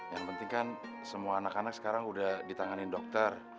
yang penting kan semua anak anak sekarang udah ditanganin dokter